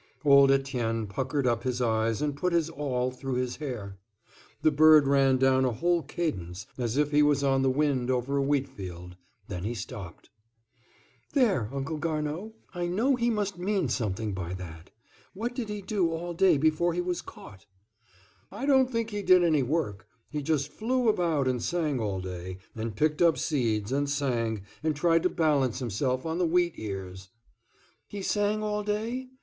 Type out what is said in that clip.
Old Etienne puckered up his eyes and put his awl through his hair. The bird ran down a whole cadence, as if he was on the wind over a wheat field; then he stopped. "There, Uncle Garnaud, I know he must mean something by that. What did he do all day before he was caught?" "I don't think he did any work. He just flew about and sang all day, and picked up seeds, and sang, and tried to balance himself on the wheat ears." "He sang all day?